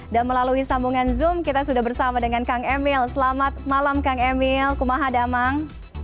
dan melalui sambungan zoom kita sudah bersama dengan kang emil selamat malam kang emil kumaha damang